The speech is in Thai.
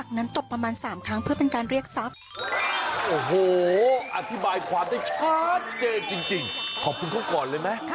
ขอบคุณค่ะ